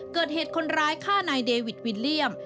เกิดเหตุคนร้ายฆ่านายเดวิดวิลเลี่ยม